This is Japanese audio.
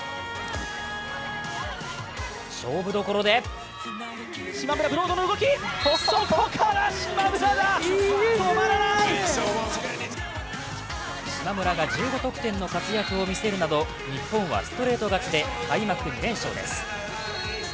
勝負どころで島村が１５得点の活躍を見せるなど日本はストレート勝ちで、開幕２連勝です。